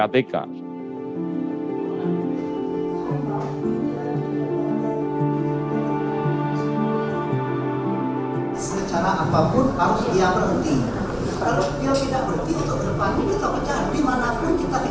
kami juga mencari penyelesaian untuk penyelesaian